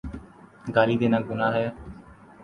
گالی دینا گناہ ہے۔